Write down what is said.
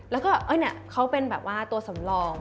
แล้วก็เฮ้ยเนี่ยเขาเป็นแบบว่าตัวสำรอง